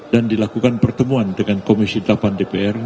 dan dilakukan pertemuan dengan komisi delapan dpr